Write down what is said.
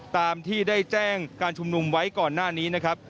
ตามที่ได้แจ้งการชุมนุมไว้ก่อนหน้านี้นะครับ